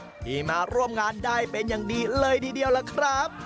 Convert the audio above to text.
ที่มาร่วมงานได้เป็นอย่างดีเลยทีเดียวล่ะครับ